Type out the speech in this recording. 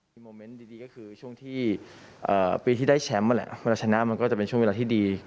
มีโมเมนต์ดีก็คือช่วงที่ปีที่ได้แชมป์นั่นแหละเวลาชนะมันก็จะเป็นช่วงเวลาที่ดี